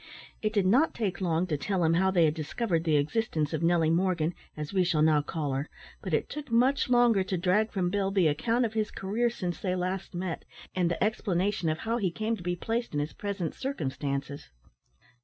It did not take long to tell him how they had discovered the existence of Nelly Morgan, as we shall now call her, but it took much longer to drag from Bill the account of his career since they last met, and the explanation of how he came to be placed in his present circumstances.